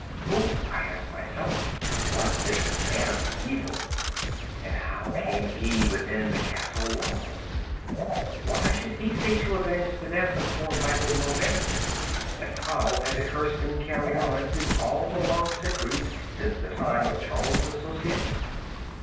Who, I asked myself, was this man of evil, and how came he within the castle walls? Why should he seek to avenge the death of poor Michel Mauvais, and how had the curse been carried on through all the long centuries since the time of Charles Le Sorcier?